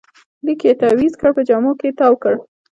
لیک یې تاویز کړ، په جامو کې تاوکړ